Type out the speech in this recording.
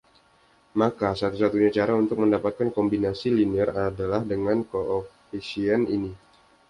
Maka, satu-satunya cara untuk mendapatkan kombinasi linear adalah dengan koefisien ini.